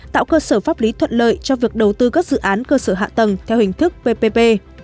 tạo cơ sở pháp lý thuận lợi cho việc đầu tư các dự án cơ sở hạ tầng theo hình thức ppp